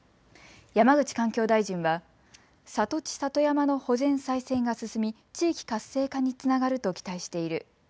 山口環境大臣は里地里山の保全再生が進み地域活性化につながると期待している。